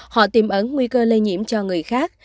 họ tìm ấn nguy cơ lây nhiễm cho người khác